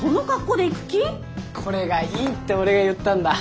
これがいいって俺が言ったんだ。